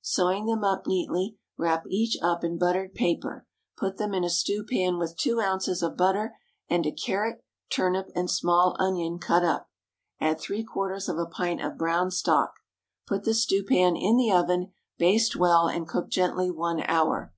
Sewing them up neatly, wrap each up in buttered paper; put them in a stewpan with two ounces of butter and a carrot, turnip, and small onion cut up; add three quarters of a pint of brown stock. Put the stewpan in the oven, baste well, and cook gently one hour.